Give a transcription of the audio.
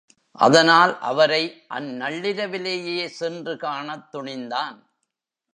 அதனால் அவரை அந்நள்ளிரவிலேயே சென்று காணத்துணிந்தான்.